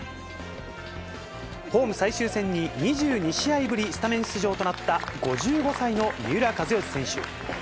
ホーム最終戦に２２試合ぶり、スタメン出場となった、５５歳の三浦知良選手。